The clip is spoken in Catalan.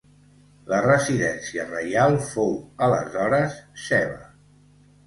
La residència reial fou aleshores Seva.